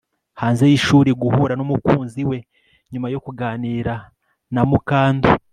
hanze yishuri guhura numukunzi we. nyuma yo kuganira na mukando